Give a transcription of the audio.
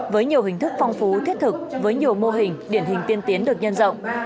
với nhiều hình thức phong phú thiết thực với nhiều mô hình điển hình tiên tiến được nhân rộng